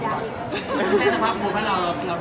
อเรนนี่ว่าที่เต็มประกาศเหมือนกันนะครับ